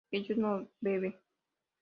ellos no beben